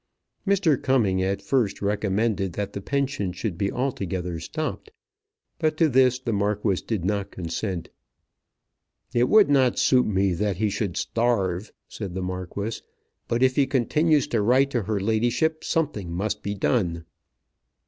Mr. Cumming at first recommended that the pension should be altogether stopped; but to this the Marquis did not consent. "It would not suit me that he should starve," said the Marquis. "But if he continues to write to her ladyship something must be done."